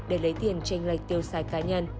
để lấy tiền tranh lệch tiêu sài cá nhân